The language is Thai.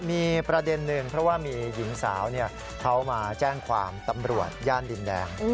มีประเด็นหนึ่งเพราะว่ามีหญิงสาวเขามาแจ้งความตำรวจย่านดินแดง